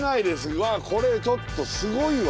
わあこれちょっとすごいわ。